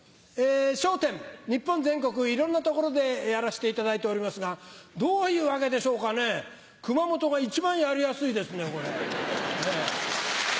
笑点、日本全国いろんな所でやらせていただいておりますが、どういうわけでしょうかね、熊本が一番やりやすいですね、これ。